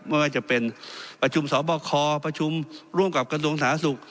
ไม่ว่าจะเป็นประชุมสอบคอประชุมร่วมกับกระทรวงสาธารณสุข